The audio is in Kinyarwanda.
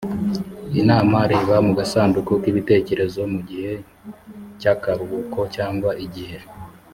i n a m a reba mu gasanduku k ibitekerezo mu gihe cy akaruhuko cyangwa igihe